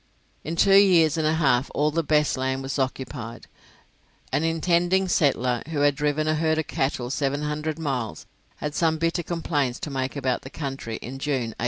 In two years and a half all the best land was occupied. An intending settler, who had driven a herd of cattle seven hundred miles, had some bitter complaints to make about the country in June, 1843.